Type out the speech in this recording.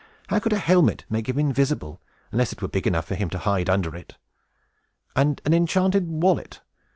How could a helmet make him invisible, unless it were big enough for him to hide under it? And an enchanted wallet!